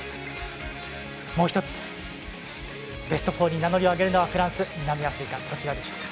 もう１つ、ベスト４に名乗りを上げるのはフランス、南アフリカどちらでしょうか。